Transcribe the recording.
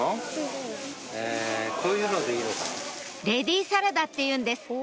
レディーサラダっていうんです